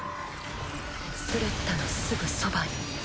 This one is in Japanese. スレッタのすぐそばに。